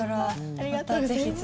ありがとうございます。